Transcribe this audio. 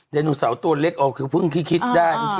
ไดโนเสาร์ตัวเล็กออกเพิ่งคิดได้